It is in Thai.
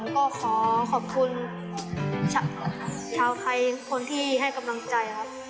ก็ขอขอบคุณชาวไทยคนที่ให้กำลังใจครับ